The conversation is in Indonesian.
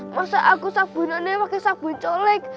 masa aku sabunannya pake sabun colek